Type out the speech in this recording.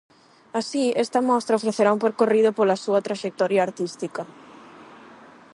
Así, esta mostra ofrecerá un percorrido pola súas traxectoria artística.